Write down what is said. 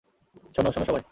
শোন, শোন সবাই।